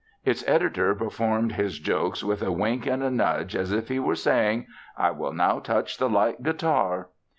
Its editor performed his jokes with a wink and a nudge as if he were saying, "I will now touch the light guitar."